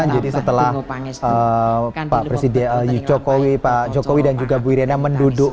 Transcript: jadi setelah pak presiden jokowi dan juga ibu riana menduduk